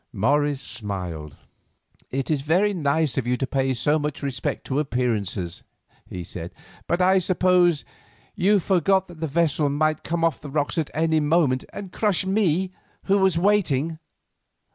Morris smiled. "It is very nice of you to pay so much respect to appearances," he said; "but I suppose you forgot that the vessel might come off the rocks at any moment and crush me, who was waiting."